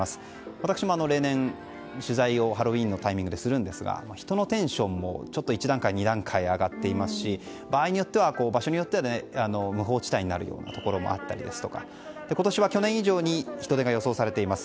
私も例年、取材をハロウィーンのタイミングでするんですが人のテンションもちょっと１段階、２段階上がっていますし場所によっては無法地帯になるようなところもあったりですとか今年は去年以上に人出が予想されています。